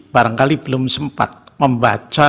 barangkali belum sempat membaca